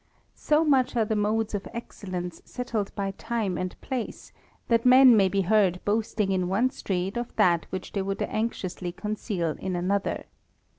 So much are the modes of excellence settled by time and place, that men may be heard boasting in one street of that which they would anxiously conceal in another.